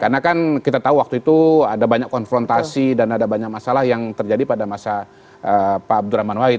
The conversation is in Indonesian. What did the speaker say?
karena kan kita tahu waktu itu ada banyak konfrontasi dan ada banyak masalah yang terjadi pada masa pak abdurrahman wahid